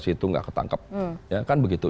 situ nggak ketangkep ya kan begitu